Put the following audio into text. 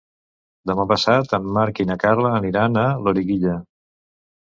Demà passat en Marc i na Carla aniran a Loriguilla.